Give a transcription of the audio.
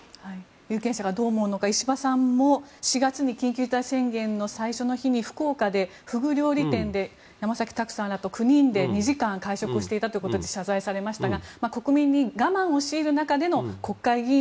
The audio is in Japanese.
有権者がどう思うのか石破さんも４月に緊急事態宣言の最初の日に福岡県でフグ料理店で山崎拓さんらと９人で会食をしていたことで謝罪をしましたが国民に我慢を強いている中で国会議員